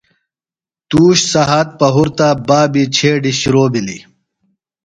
تُوش سھات باد بابی چھیڈیۡ شِرو بِھلیۡ۔